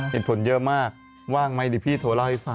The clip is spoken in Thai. ผิดผลเยอะมากว่างไหมดิพี่โทรเล่าให้ฟัง